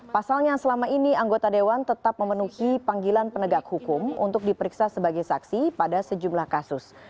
pasalnya selama ini anggota dewan tetap memenuhi panggilan penegak hukum untuk diperiksa sebagai saksi pada sejumlah kasus